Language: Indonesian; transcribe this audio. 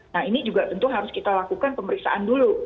nah ini juga tentu harus kita lakukan pemeriksaan dulu